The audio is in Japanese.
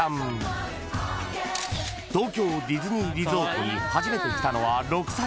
［東京ディズニーリゾートに初めて来たのは６歳］